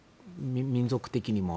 民族的にも。